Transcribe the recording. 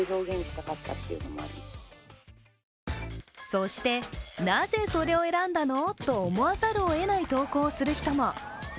そして、なぜそれを選んだのと思わざるをえない投稿をする人も。